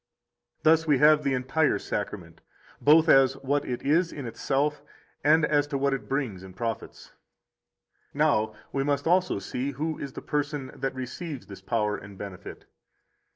33 Thus we have the entire Sacrament, both as to what it is in itself and as to what it brings and profits. Now we must also see who is the person that receives this power and benefit.